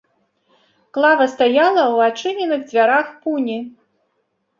Клава стаяла ў адчыненых дзвярах пуні.